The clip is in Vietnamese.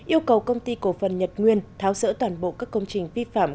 yêu cầu công ty cổ phần nhật nguyên tháo sỡ toàn bộ các công trình vi phạm